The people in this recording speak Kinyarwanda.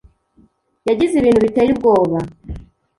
Yagize ibintu biteye ubwoba.